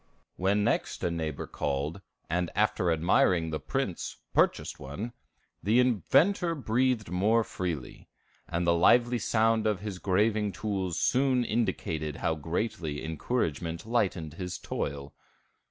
When next a neighbor called, and after admiring the prints, purchased one, the inventor breathed more freely; and the lively sound of his graving tools soon indicated how greatly encouragement lightened his toil.